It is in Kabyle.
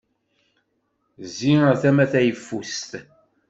Zzi ar tama tayeffust!